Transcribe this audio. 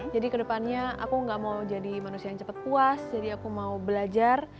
kedepannya aku gak mau jadi manusia yang cepat puas jadi aku mau belajar